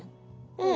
うん。